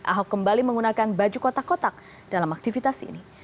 ahok kembali menggunakan baju kotak kotak dalam aktivitas ini